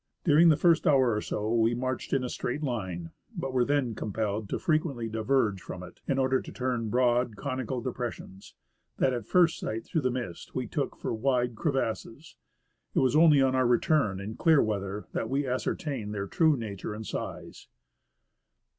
During the first hour or so, we marched in a straight line, but were then compelled to frequently diverge from it, in order to turn broad, conical depressions, that at first sight through the mist we took for wide crevasses. It was only on our return, in clear weather, that we ascertained their nature and size.